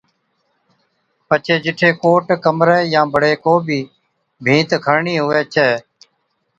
پڇي جِٺي ڪوٽ، ڪمرَي يان بڙي ڪوبِي ڀِيت کڻڻِي هُوَي ڇَي